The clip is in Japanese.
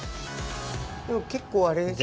結構あれですね。